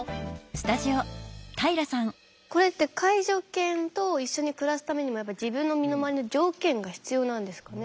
これって介助犬と一緒に暮らすためにもやっぱり自分の身の回りの条件が必要なんですかね？